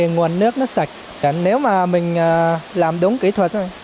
nguồn nước nó sạch nếu mà mình làm đúng kỹ thuật